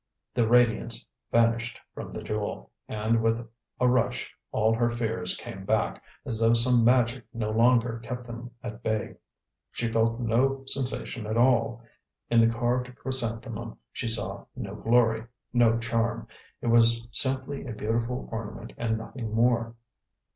The radiance vanished from the jewel, and with a rush all her fears came back, as though some magic no longer kept them at bay. She felt no sensation at all; in the carved chrysanthemum, she saw no glory, no charm; it was simply a beautiful ornament and nothing more.